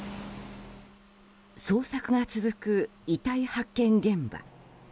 捜索が続く遺体発見現場。